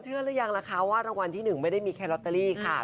เชื่อรึยังนะคะว่าระวันที่หนึ่งไม่ได้มีแคลอตเตอรี่ค่ะ